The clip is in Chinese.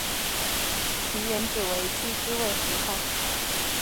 其原址为机织卫胡同。